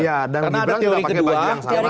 karena ada teori kedua